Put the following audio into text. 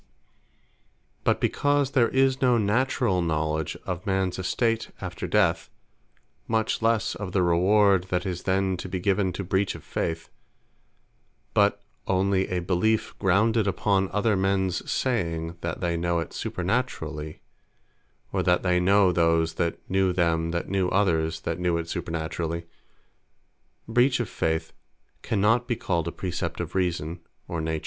But because there is no naturall knowledge of mans estate after death; much lesse of the reward that is then to be given to breach of Faith; but onely a beliefe grounded upon other mens saying, that they know it supernaturally, or that they know those, that knew them, that knew others, that knew it supernaturally; Breach of Faith cannot be called a Precept of Reason, or Nature.